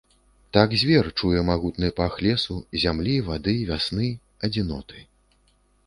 Так звер чуе магутны пах лесу, зямлі, вады, вясны, адзіноты.